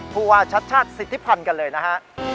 พูดว่าชัดสิทธิพันธ์กันเลยนะฮะ